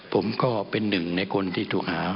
ผมก็เป็นหนึ่งในคนที่ถูกหา